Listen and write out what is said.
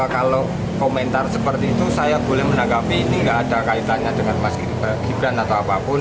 kalau komentar seperti itu saya boleh menanggapi ini gak ada kaitannya dengan mas gibran atau apapun